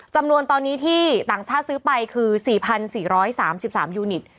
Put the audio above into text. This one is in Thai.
จำนวนตอนนี้ที่ต่างชาติซื้อไปคือ๔๔๓๓ยูนิต